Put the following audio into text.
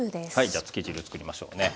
じゃあつけ汁作りましょうね。